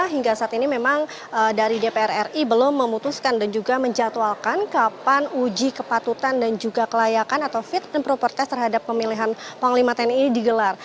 hingga saat ini memang dari dpr ri belum memutuskan dan juga menjatuhalkan kapan uji kepatutan dan juga kelayakan atau fit and proper test terhadap pemilihan panglima tni ini digelar